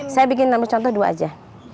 saya bikin nambah contoh dua aja